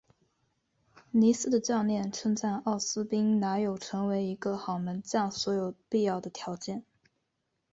尼斯的教练称赞奥斯宾拿有成为一个好门将所有必要的条件。